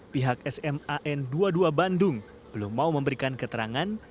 pihak sman dua puluh dua bandung belum mau memberikan keterangan